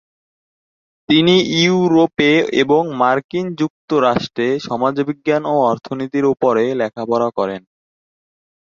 তিনি ইউরোপে এবং মার্কিন যুক্তরাষ্ট্রে সমাজবিজ্ঞান ও অর্থনীতির উপরে পড়ালেখা করেন।